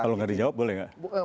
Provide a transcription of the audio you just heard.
kalau nggak dijawab boleh nggak